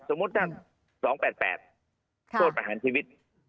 สมมติถ้า๒๘๘โทษประหารชีวิต